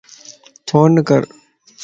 فون ڪر